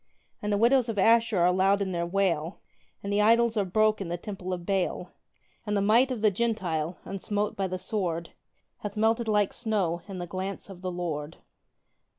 And the widows of Ashur are loud in their wail, And the idols are broke in the temple of Baal; And the might of the Gentile, unsmote by the sword, Hath melted like snow in the glance of the Lord!